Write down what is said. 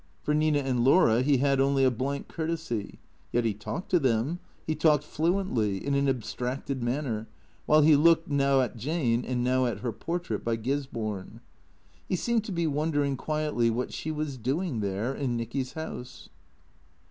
For Nina and Laura he had only a blank courtesy. Yet he talked to them, he talked fluently, in an abstracted manner, while he looked, now at Jane, and now at her portrait by Gisborne. He seemed to be wondering quietly what she was doing there, in Nicky's house.